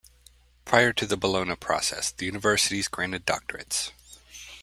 Prior to the Bologna Process, the universities granted drs.